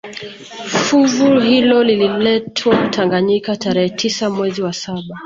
Fuvu hilo lililetwa Tanganyika tarehe tisa mwezi wa saba